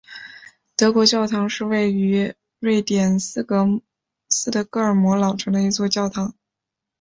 德国教堂是位于瑞典斯德哥尔摩老城的一座教堂。